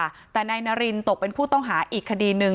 จนสนิทกับเขาหมดแล้วเนี่ยเหมือนเป็นส่วนหนึ่งของครอบครัวเขาไปแล้วอ่ะ